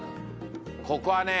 ここはね